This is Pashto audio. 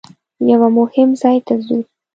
یوه مهم ځای ته ځو.